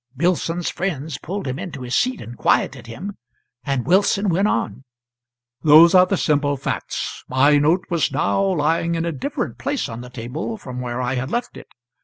Billson's friends pulled him into his seat and quieted him, and Wilson went on: "Those are the simple facts. My note was now lying in a different place on the table from where I had left it.